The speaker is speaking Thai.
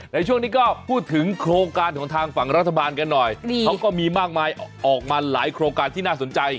ในช่วงนี้ก็พูดถึงโครงการของทางฝั่งรัฐบาลกันหน่อยเขาก็มีมากมายออกมาหลายโครงการที่น่าสนใจ